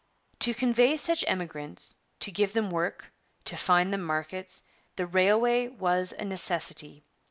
' To convey such emigrants, to give them work, to find them markets, the railway was a necessity.